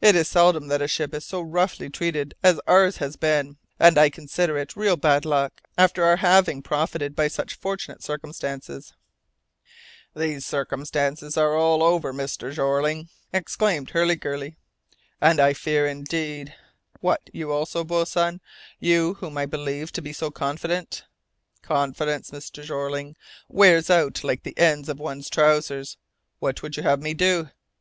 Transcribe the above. It is seldom that a ship is so roughly treated as ours has been, and I consider it real bad luck, after our having profited by such fortunate circumstances " "These circumstances are all over, Mr. Jeorling," exclaimed Hurliguerly, "and I fear indeed " "What you also, boatswain you whom I believed to be so confident!" "Confidence, Mr. Jeorling, wears out like the ends of one's trousers. What would you have me do?